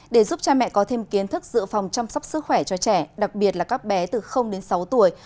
để giúp cha mẹ có thêm kiến thức dự phòng chăm sóc sức khỏe cho trẻ đặc biệt là các bé từ đến sáu tuổi